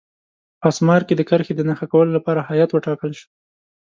په اسمار کې د کرښې د نښه کولو لپاره هیات وټاکل شو.